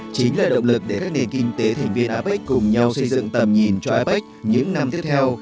chính là động lực để các nền kinh tế thành viên apec cùng nhau xây dựng tầm nhìn cho apec những năm tiếp theo